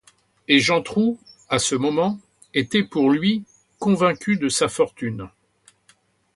Et Jantrou, à ce moment, était pour lui, convaincu de sa fortune.